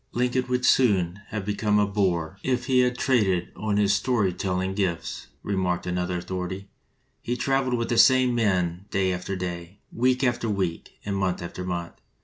"Lincoln would soon have become a bore if he 193 LINCOLN THE LAWYER had traded on his story telling gifts," remarked another authority. "He traveled with the same men day after day, week after week, and month after month.